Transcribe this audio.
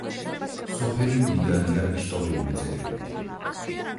სოფელი მდიდარია ისტორიული ძეგლებით.